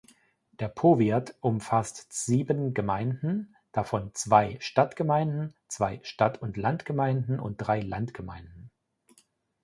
Der Powiat umfasst sieben Gemeinden, davon zwei Stadtgemeinden, zwei Stadt-und-Land-Gemeinden und drei Landgemeinden.